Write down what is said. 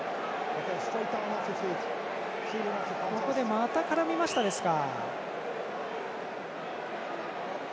また絡みましたですか。